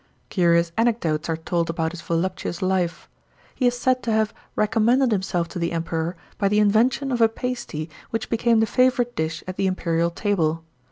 Curious anecdotes are told about his voluptuous life. He is said to have "recommended himself to the Emperor by the invention of a pasty which became the favourite dish at the imperial table.